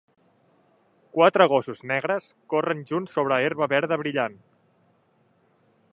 Quatre gossos negres corren junts sobre herba verda brillant.